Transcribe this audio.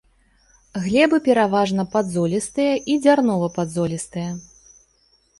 Глебы пераважна падзолістыя і дзярнова-падзолістыя.